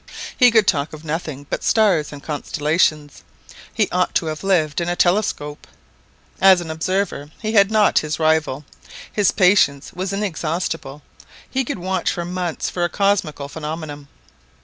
He could talk of nothing but stars and constellations. He ought to have lived in a telescope. As an observer be had not his rival; his patience was inexhaustible; he could watch for months for a cosmical phenomenon.